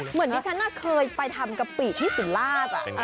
เหมือนที่ฉันเคยไปทำกะปิที่สุราช